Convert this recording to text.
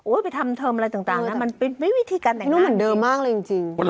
โอ๊ยไปทำเทิมอะไรต่างนะมันเป็นไม่มีวิธีการแต่งหน้าจริงนี่มันเหมือนเดิมมากเลยจริง